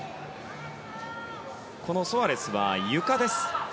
このソアレスは、ゆかです。